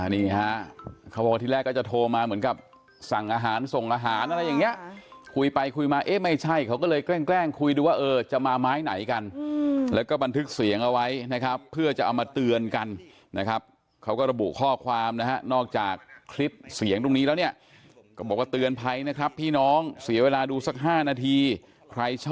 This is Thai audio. นี่ฮะเขาบอกว่าที่แรกก็จะโทรมาเหมือนกับสั่งอาหารส่งอาหารอะไรอย่างนี้คุยไปคุยมาเอ๊ะไม่ใช่เขาก็เลยแกล้งคุยดูว่าเออจะมาไม้ไหนกันแล้วก็บันทึกเสียงเอาไว้นะครับเพื่อจะเอามาเตือนกันนะครับเขาก็ระบุข้อความนะฮะนอกจากคลิปเสียงตรงนี้แล้วเนี่ยก็บอกว่าเตือนภัยนะครับพี่น้องเสียเวลาดูสัก๕นาทีใครช